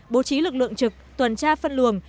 bố trí lực lượng trực tuần tra phân luồng